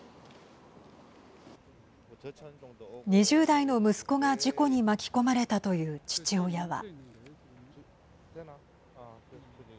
２０代の息子が事故に巻き込まれたという父親は。